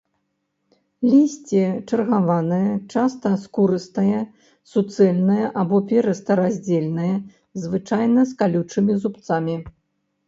Лісце чаргаванае, часта скурыстае, суцэльнае або перыста-раздзельнае, звычайна з калючымі зубцамі.